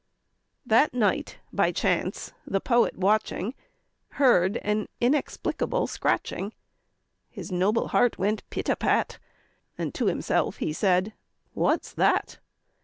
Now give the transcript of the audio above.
That night, by chance, the poet watching, Heard an inexplicable scratching; His noble heart went pit a pat, And to himself he said "What's that?"